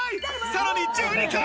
さらに１２貫！